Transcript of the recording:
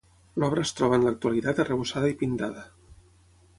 L'obra es troba en l'actualitat arrebossada i pintada.